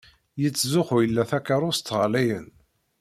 Yettzuxxu ila takeṛṛust ɣlayen.